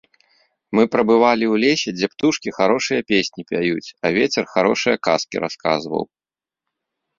Мы прабывалі ў лесе, дзе птушкі харошыя песні пяюць, а вецер харошыя казкі расказваў.